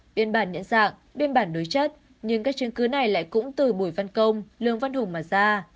biên bản nhận dạng biên bản đối chất nhưng các chứng cứ này lại cũng từ bùi văn công lương văn hùng mà ra